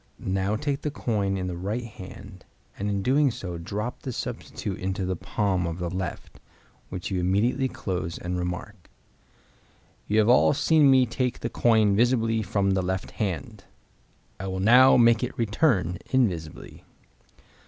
Now take the coin in the right hand, and in doing so drop the substitute into the palm of the left, which you immediately close, and remark, "You have all seen me take the coin visibly from the left hand. I will now make it return invisibly."